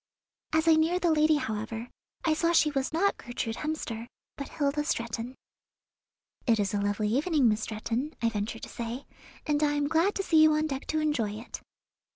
As I neared the lady, however, I saw she was not Gertrude Hemster, but Hilda Stretton. "It is a lovely evening, Miss Stretton," I ventured to say, "and I am glad to see you on deck to enjoy it."